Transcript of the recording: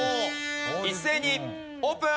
一斉にオープン！